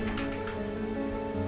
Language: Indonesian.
saya akan menyerah